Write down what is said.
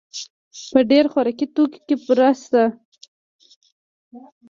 په ډېر خوراکي توکو کې بوره شته.